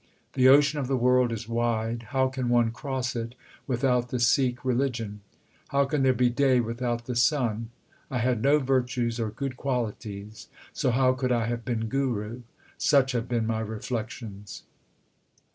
The ocean of the world is wide : how can one cross it without the Sikh religion ? How can there be day without the sun ? I had no virtues or good qualities, so how could I have been Guru ? Such have been my reflections.